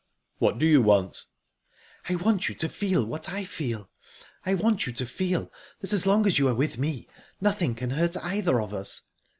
"What do you want?" "I want you to feel what I feel. I want you to feel that as long as you are with me nothing can hurt either of us.